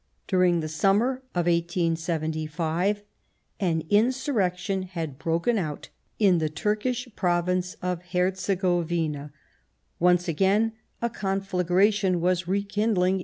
During the summer of 1875 an insurrection had broken out in the Turkish Province of Herzegovina ; once again a conflagration was rekindling J"?